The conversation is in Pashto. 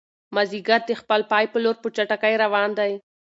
مازیګر د خپل پای په لور په چټکۍ روان دی.